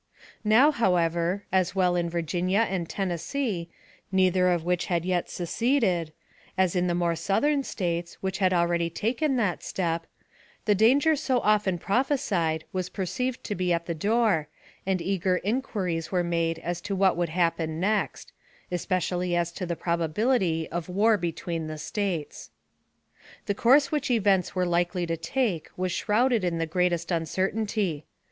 Now, however, as well in Virginia and Tennessee, neither of which had yet seceded, as in the more Southern States, which had already taken that step, the danger so often prophesied was perceived to be at the door, and eager inquiries were made as to what would happen next especially as to the probability of war between the States. The course which events were likely to take was shrouded in the greatest uncertainty.